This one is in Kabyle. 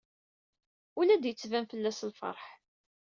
Ur la d-yettban fell-as lfeṛḥ.